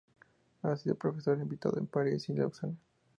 Ha sido profesor invitado en París y Lausana.